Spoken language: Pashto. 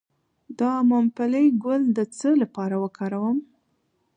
د ممپلی ګل د څه لپاره وکاروم؟